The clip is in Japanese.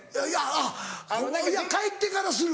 あっいや帰ってからする。